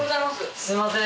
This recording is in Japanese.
すいません